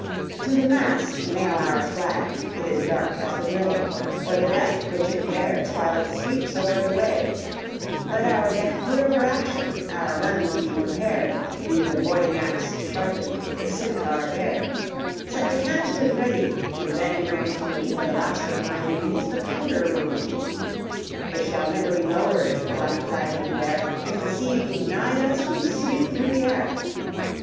To the mast nail our flag it is dark as the grave, Or the death which it bears while it sweeps o'er the wave; Let our deck clear for action, our guns be prepared; Be the boarding axe sharpened, the scimetar bared: Set the canisters ready, and then bring to me, For the last of my duties, the powder room key. It shall never be lowered, the black flag we bear; If the sea be denied us, we sweep through the air.